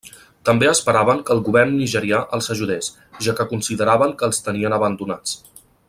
També esperaven que el govern nigerià els ajudés, ja que consideraven que els tenien abandonats.